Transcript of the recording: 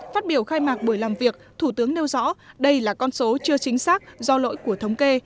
phát biểu khai mạc buổi làm việc thủ tướng nêu rõ đây là con số chưa chính xác do lỗi của thống kê